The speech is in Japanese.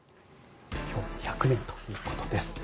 今日で１００年ということです。